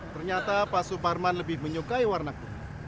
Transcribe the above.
ternyata pak suparman lebih menyukai warna kuning